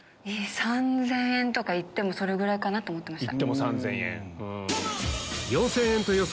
３０００円とか行ってもそれぐらいかなと思ってました。